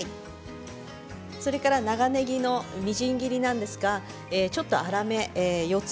それから長ねぎのみじん切りなんですがちょっと粗めです。